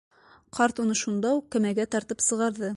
Ҡарт уны шунда уҡ кәмәгә тартып сығарҙы.